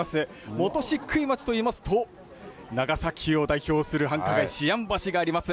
本石灰町によりますと、長崎を代表する繁華街、思案橋があります。